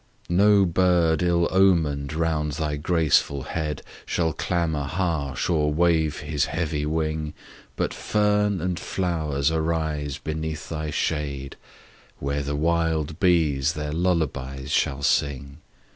No bird, ill omen'd, round thy graceful head Shall clamour harsh, or wave his heavy wing, But fern and flowers arise beneath thy shade. Where the wild bees their lullabies shall sing.